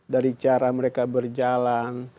dari cara mereka berjalan